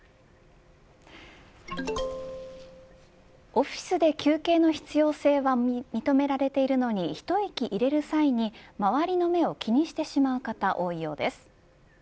オフィスで休憩の必要性は認められているのにひといき入れる際に周りの目を気にしてしまう方